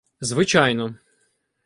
— Звичайно.